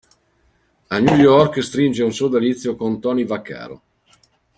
A New York stringe un sodalizio con Tony Vaccaro.